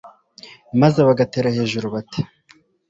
maze bagatera hejuru bati